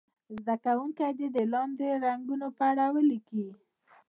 زده کوونکي دې د لاندې رنګونو په اړه ولیکي.